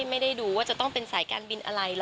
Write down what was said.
ไม่ได้ดูว่าจะต้องเป็นสายการบินอะไร